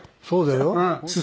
そうだよ。